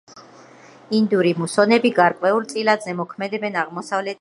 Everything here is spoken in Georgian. ინდური მუსონები გარკვეულწილად ზემოქმედებენ აღმოსავლეთ ტიბეტზე.